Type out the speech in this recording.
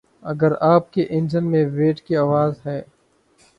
اگر آپ کے انجن میں ویٹ کی آواز ہے